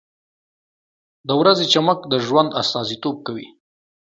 • د ورځې چمک د ژوند استازیتوب کوي.